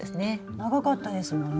長かったですもんね。